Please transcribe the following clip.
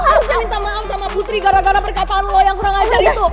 lo harus janji sama am sama putri gara gara perkataan lo yang kurang ajar itu